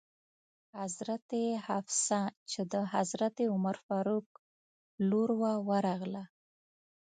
حضرت حفصه چې د حضرت عمر فاروق لور وه ورغله.